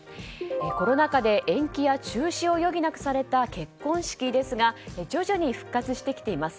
コロナ禍で延期や中止を余儀なくされた結婚式ですが徐々に復活してきています。